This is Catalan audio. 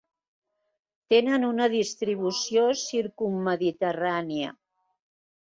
Tenen una distribució circummediterrània.